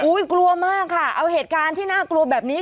กลัวมากค่ะเอาเหตุการณ์ที่น่ากลัวแบบนี้